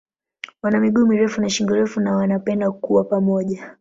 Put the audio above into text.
Wana miguu mirefu na shingo refu na wanapenda kuwa pamoja.